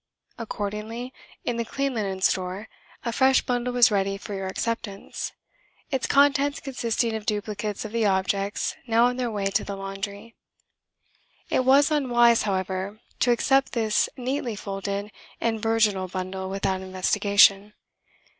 Accordingly, in the Clean Linen Store, a fresh bundle was ready for your acceptance, its contents consisting of duplicates of the objects now on their way to the laundry. It was unwise, however, to accept this neatly folded and virginal bundle without investigation.